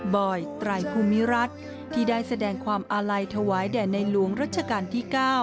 อยไตรภูมิรัฐที่ได้แสดงความอาลัยถวายแด่ในหลวงรัชกาลที่๙